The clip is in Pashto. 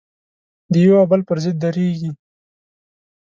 د یوه او بل پر ضد درېږي.